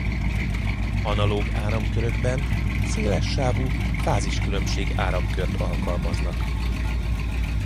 Analóg áramkörökben széles sávú fáziskülönbség áramkört alkalmaznak.